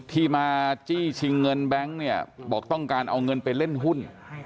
ที่มาจี้ชิงเงินแบงค์เนี่ยบอกต้องการเอาเงินไปเล่นหุ้น